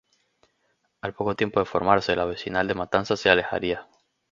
Al poco tiempo de formarse, La Vecinal de Matanza se alejaría.